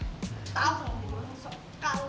tau gue suka